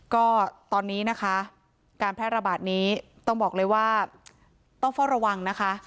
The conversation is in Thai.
ก็ตอนนี้นะคะการแพร่ระบาดนี้ต้องบอกเลยว่าต้องเฝ้าระวังนะคะ